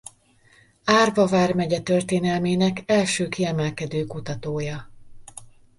Árva vármegye történelmének első kiemelkedő kutatója.